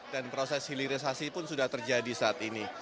dan proses hilirisasi pun sudah terjadi saat ini